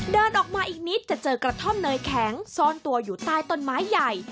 เดินออกมาอีกนิดจะเจอกระท่อมเนยแข็งซ่อนตัวอยู่ใต้ต้นไม้ใหญ่